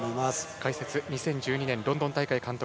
解説、２０１２年ロンドン大会監督